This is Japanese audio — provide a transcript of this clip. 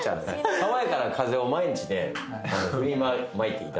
爽やかな風を毎日振りまいていただいて。